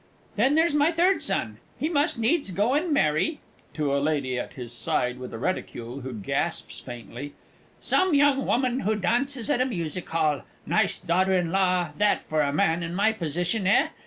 Then there's my third son he must needs go and marry (to a Lady at his side with a reticule, who gasps faintly) some young woman who dances at a Music hall nice daughter in law that for a man in my position, eh?